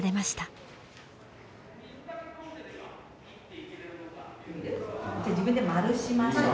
じゃあ自分で丸しましょう。